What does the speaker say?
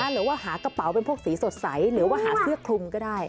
หรือว่าหากระเป๋าเป็นพวกสีสดใสหรือว่าหาเสื้อคลุมก็ได้